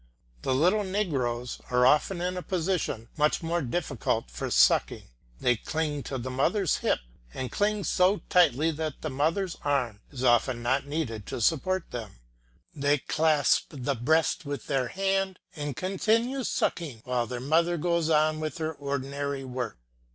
The little negroes are often in a position much more difficult for sucking. They cling to the mother's hip, and cling so tightly that the mother's arm is often not needed to support them. They clasp the breast with their hand and continue sucking while their mother goes on with her ordinary work.